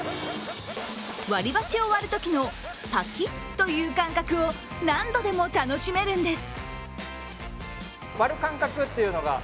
割り箸を割るときのパキッという感覚を何度でも楽しめるんです。